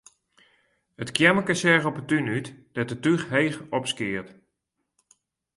It keammerke seach op 'e tún út, dêr't it túch heech opskeat.